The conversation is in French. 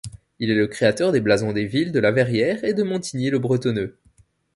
Il est le créateur des blasons des villes de La Verrière et de Montigny-le-Bretonneux.